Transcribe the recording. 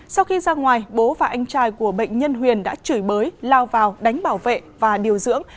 sau khi ra ngoài bố và anh trai của bệnh nhân huyền đã chửi bới lao vào đánh bảo vệ và điều dưỡng